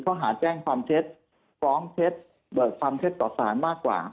ข้อหาแจ้งความเท็จฟ้องเท็จเบิกความเท็จต่อสารมากกว่า